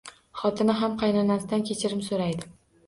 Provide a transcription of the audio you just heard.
Xotini ham qaynonasidan kechirim so`raydi